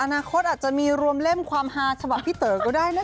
อนาคตอาจจะมีรวมเล่มความฮาฉบับพี่เต๋อก็ได้นะคะ